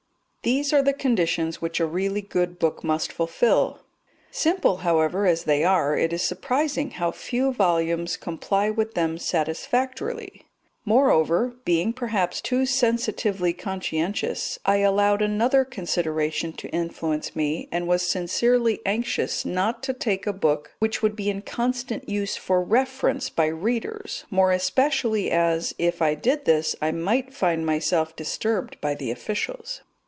These are the conditions which a really good book must fulfil; simple, however, as they are, it is surprising how few volumes comply with them satisfactorily; moreover, being perhaps too sensitively conscientious, I allowed another consideration to influence me, and was sincerely anxious not to take a book which would be in constant use for reference by readers, more especially as, if I did this, I might find myself disturbed by the officials.